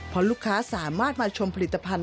เพราะลูกค้าสามารถมาชมผลิตภัณฑ